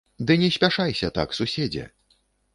Ды не спяшайся так, суседзе!